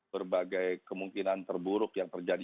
berbagai kemungkinan terburuk yang terjadi